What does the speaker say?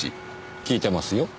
聞いてますよ。